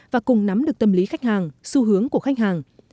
và cùng nắm được tâm lý khách hàng xu hướng của khách hàng